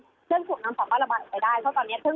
แต่ว่าเมื่อสักครู่จากการที่ถามเจ้าหน้าที่ที่อยู่บริเวณ